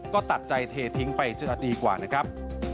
ก็ตัดใจเททิ้งไปจนนาทีกว่านะครับ